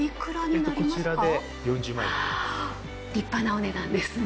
立派なお値段ですね。